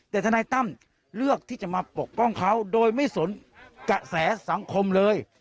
แต่ทนายตั้มเลือกที่จะมาปกป้องเขาโดยไม่สนกระแสสังคมเลย